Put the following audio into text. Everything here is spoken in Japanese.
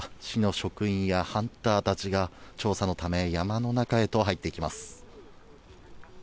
市の職員やハンターたちが調査のため山の中へと入っていきます。